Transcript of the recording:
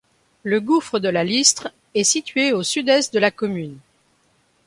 Le gouffre de la Listre est situé au sud-est de la commune.